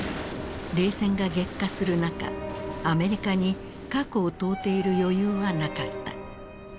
冷戦が激化する中アメリカに過去を問うている余裕はなかった。